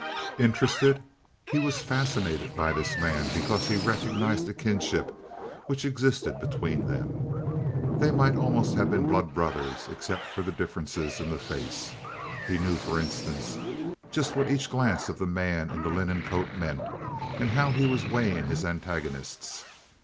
Interested? He was fascinated by this man because he recognized the kinship which existed between them. They might almost have been blood brothers, except for differences in the face. He knew, for instance, just what each glance of the man in the linen coat meant, and how he was weighing his antagonists.